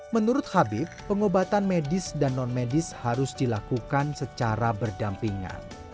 menurut habib pengobatan medis dan non medis harus dilakukan secara berdampingan